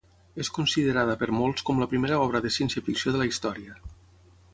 És considerada per molts com la primera obra de ciència-ficció de la història.